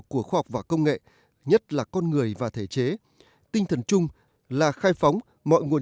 của khoa học và công nghệ nhất là con người và thể chế tinh thần chung là khai phóng mọi nguồn